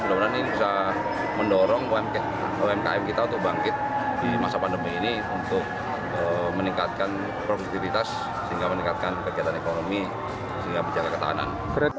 mudah mudahan ini bisa mendorong umkm kita untuk bangkit di masa pandemi ini untuk meningkatkan produktivitas sehingga meningkatkan kegiatan ekonomi sehingga menjaga ketahanan